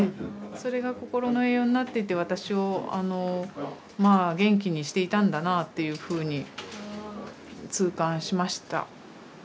それがこころの栄養になってて私をあのまあ元気にしていたんだなぁっていうふうに痛感しました。